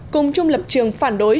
cùng chung lập trường phản đối